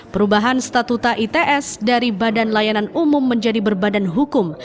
perubahan statuta its dari badan layanan umum menjadi berbadan hukum